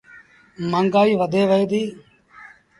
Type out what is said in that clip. مآݩگآئيٚ وڌي وهي ديٚ۔